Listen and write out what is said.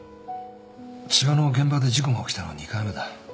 千葉の現場で事故が起きたのは２回目だ。